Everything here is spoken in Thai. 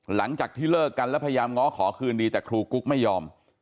หลังจากที่เลิกกันแล้วพยายามง้อขอคืนดีแต่ครูกุ๊กไม่ยอม